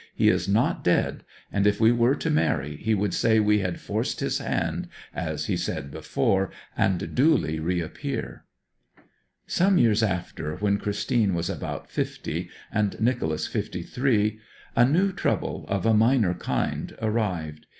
'He is not dead, and if we were to marry he would say we had "forced his hand," as he said before, and duly reappear.' Some years after, when Christine was about fifty, and Nicholas fifty three, a new trouble of a minor kind arrived.